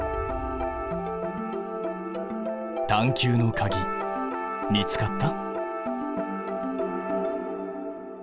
探究のかぎ見つかった？